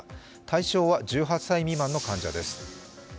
対象は１８歳未満の患者です。